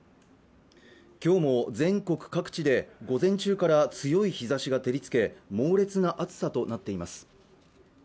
今日も全国各地で午前中から強い日差しが照りつけ猛烈な暑さとなっています